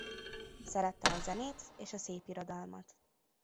Szerette a zenét és a szépirodalmat.